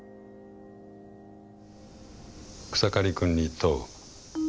「草刈くんに問う。